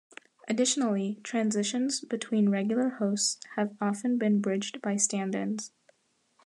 Additionally, transitions between regular hosts have often been bridged by stand-ins.